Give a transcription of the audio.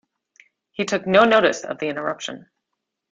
He took no notice of the interruption.